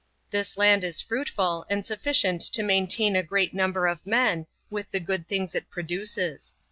This land is fruitful, and sufficient to maintain a great number of men, with the good things it produces.